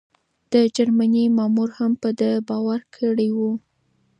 د جرمني مامور هم په ده باور کړی و.